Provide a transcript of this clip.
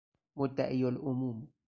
مدعی العموم